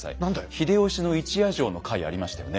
秀吉の一夜城の回ありましたよね。